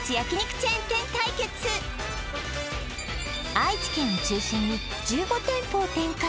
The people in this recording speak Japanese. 愛知県を中心に１５店舗を展開